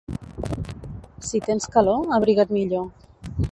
Si tens calor, abriga't millor.